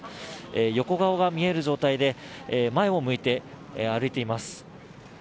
横顔が見える状態で前を向いて歩いています。